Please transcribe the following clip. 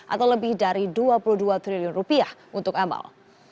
atau lebih dari dua puluh dua triliun rupiah untuk amal